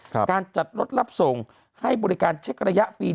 การจัดรถรับส่งให้บริการเช็กระยะฟรี